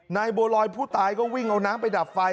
บัวลอยผู้ตายก็วิ่งเอาน้ำไปดับไฟ